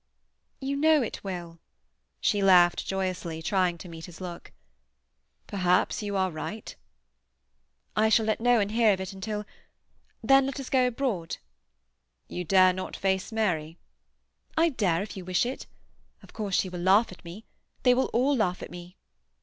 "You know it will." She laughed joyously, trying to meet his look. "Perhaps you are right." "I shall let no one hear of it until—. Then let us go abroad." "You dare not face Mary?" "I dare, if you wish it. Of course she will laugh at me. They will all laugh at me."